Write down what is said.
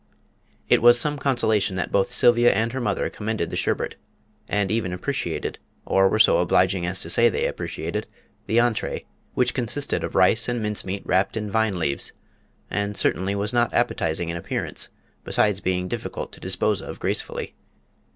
It was some consolation that both Sylvia and her mother commended the sherbet, and even appreciated or were so obliging as to say they appreciated the entrée, which consisted of rice and mincemeat wrapped in vine leaves, and certainly was not appetising in appearance, besides being difficult to dispose of gracefully.